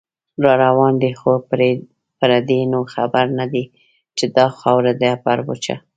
راروان دی خو پردې نو خبر نه دی، چې دا خاوره ده پر وچه